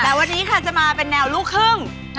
แต่วันนี้ค่ะจะมาเป็นแนวลูกครึ่ง